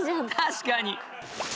確かに。